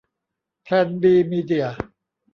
แพลน บี มีเดีย